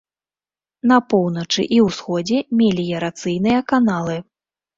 На поўначы і ўсходзе меліярацыйныя каналы.